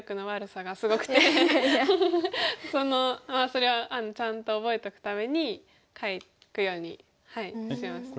それはちゃんと覚えとくために書くようにしました。